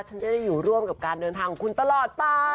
ฉันจะได้อยู่ร่วมกับการเดินทางของคุณตลอดไป